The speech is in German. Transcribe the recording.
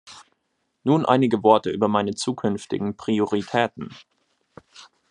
Nun einige Worte über meine zukünftigen Prioritäten.